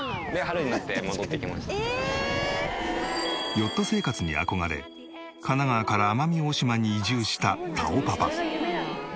ヨット生活に憧れ神奈川から奄美大島に移住したたおパパ。